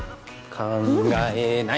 考えない！